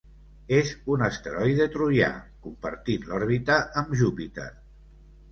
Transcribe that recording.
És un asteroide troià, compartint l'òrbita amb Júpiter.